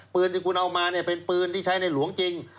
ปืนที่คุณเอามาเนี่ยเป็นปืนที่ใช้ในหลวงจริง